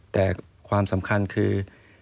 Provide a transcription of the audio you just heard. แต่ความสำคัญคือ